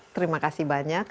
terima kasih banyak